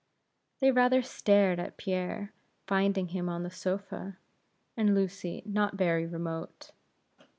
They rather stared at Pierre, finding him on the sofa, and Lucy not very remote.